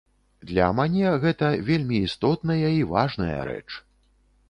Для мане гэта вельмі істотная і важная рэч.